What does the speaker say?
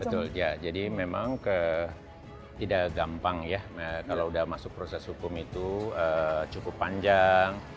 betul ya jadi memang tidak gampang ya kalau sudah masuk proses hukum itu cukup panjang